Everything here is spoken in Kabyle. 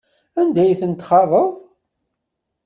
Anda ay ten-txaḍeḍ?